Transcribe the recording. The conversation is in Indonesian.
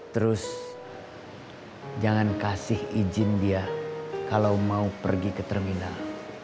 terus jangan kasih izin dia kalau mau pergi ke terminal